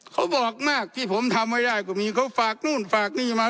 เขาบอกมากที่ผมทำไม่ได้ก็มีเขาฝากนู่นฝากนี่มา